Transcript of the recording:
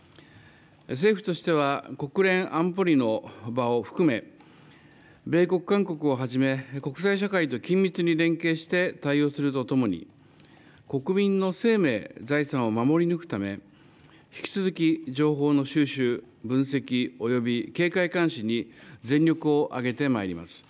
政府としては、国連安保理の場を含め、米国、韓国をはじめ、国際社会と緊密に連携して対応するとともに、国民の生命、財産を守り抜くため、引き続き情報の収集、分析および警戒監視に全力を挙げてまいります。